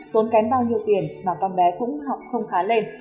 tốn kém bao nhiêu tiền mà con bé cũng học không khá lên